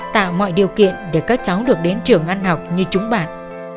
tạo mọi điều kiện để các cháu được đến trường ăn học như chúng bạn